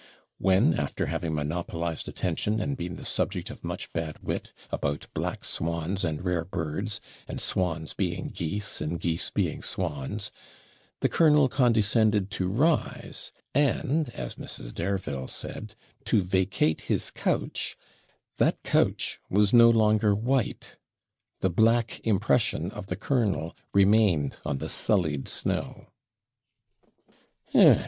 When, after having monopolised attention, and been the subject of much bad wit, about black swans and rare birds, and swans being geese and geese being swans, the colonel condescended to rise, and, as Mrs. Dareville said, to vacate his couch, that couch was no longer white the black impression of the colonel remained on the sullied snow.